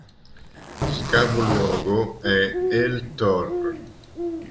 Il capoluogo è El-Tor.